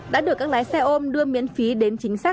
đã được các lái xe ôm đưa miễn phí đến chính xác